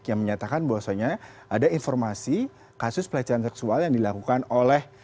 yang menyatakan bahwasannya ada informasi kasus pelecehan seksual yang dilakukan oleh